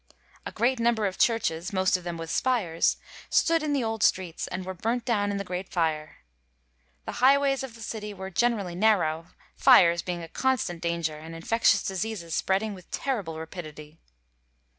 ^ A great number of chiu'ches, most of them with spires, stood in the old streets, and were burnt down in the Great Fire. The highways of .the city were generally narrow, fires being a constant danger, and infectious diseases spreading with terrible rapidity.